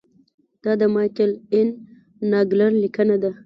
دا د مایکل این ناګلر لیکنه ده.